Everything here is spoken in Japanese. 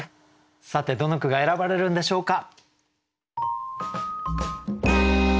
さてどの句が選ばれるんでしょうか。